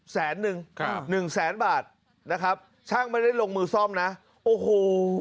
แสนนึงครับหนึ่งแสนบาทนะครับช่างไม่ได้ลงมือซ่อมนะโอ้โห